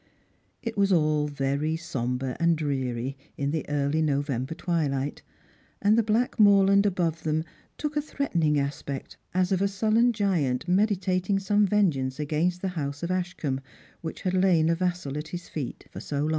It was all very sombre and dreary in the early November twilight, and the black moorland above them took a threatening aspect, as of a sullen giant meditating some ven geance agains^the house of Ashcombe, which had lain a vabsal at his feet so long.